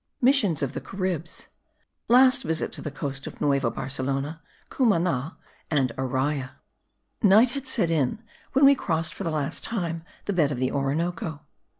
MISSIONS OF THE CARIBS. LAST VISIT TO THE COAST OF NUEVA BARCELONA, CUMANA, AND ARAYA. Night had set in when we crossed for the last time the bed of the Orinoco.